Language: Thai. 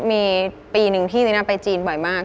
มีปีหนึ่งที่ลิน่าไปจีนบ่อยมาก